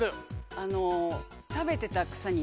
あの。